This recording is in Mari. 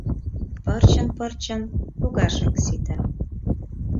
Пырчын-пырчын погашак сита.